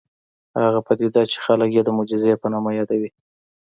هغه پدیده چې خلک یې د معجزې په نامه یادوي